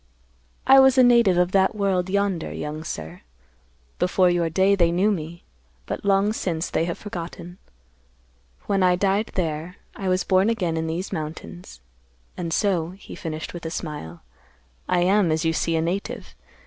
"I was a native of that world yonder, young sir. Before your day, they knew me; but long since, they have forgotten. When I died there, I was born again in these mountains. And so," he finished with a smile, "I am, as you see, a native.